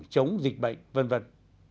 chống dịch bệnh v v